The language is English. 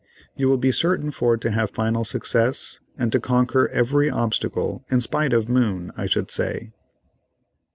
You will be certain for to have final success and to conquer every obstacle, in spite of Moon, I should say."